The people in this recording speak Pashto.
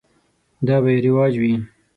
دا به یې رواج وي.